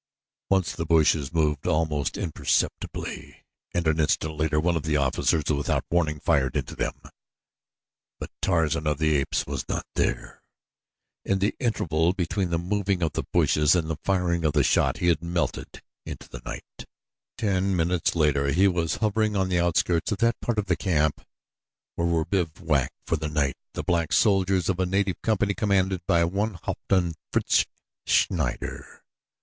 Once the bushes moved almost imperceptibly and an instant later one of the officers, without warning, fired into them; but Tarzan of the Apes was not there. In the interval between the moving of the bushes and the firing of the shot he had melted into the night. Ten minutes later he was hovering on the outskirts of that part of camp where were bivouacked for the night the black soldiers of a native company commanded by one Hauptmann Fritz Schneider.